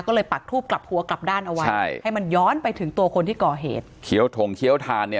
ก็เลยปักทูบกลับหัวกลับด้านเอาไว้ใช่ให้มันย้อนไปถึงตัวคนที่ก่อเหตุเคี้ยวถงเคี้ยวทานเนี่ย